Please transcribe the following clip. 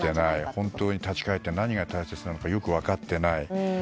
本当に立ち返って何が大切なのかよく分かっていない。